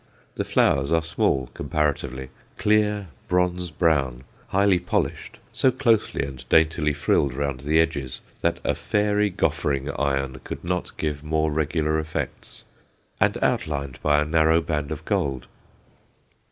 The flowers are small comparatively, clear bronze brown, highly polished, so closely and daintily frilled round the edges that a fairy goffering iron could not give more regular effects, and outlined by a narrow band of gold.